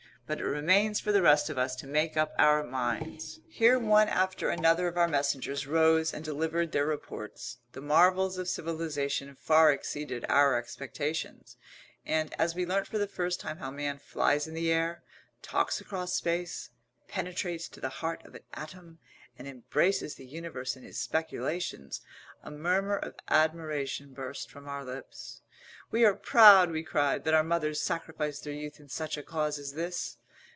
But it remains for the rest of us to make up our minds." Here one after another of our messengers rose and delivered their reports. The marvels of civilisation far exceeded our expectations, and, as we learnt for the first time how man flies in the air, talks across space, penetrates to the heart of an atom, and embraces the universe in his speculations, a murmur of admiration burst from our lips. "We are proud," we cried, "that our mothers sacrificed their youth in such a cause as this!"